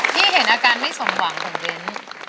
ที่เห็นอาการไม่สมหวังของเบ้น